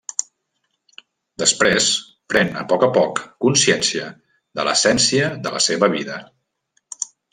Després pren a poc a poc consciència de l'essència de la seva vida.